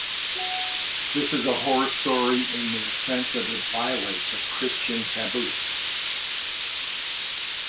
This is a horror story in the sense that it violates a Christian taboo.